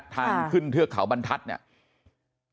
ทางขึ้นเทือกเขาบรรทัศน์เนี่ย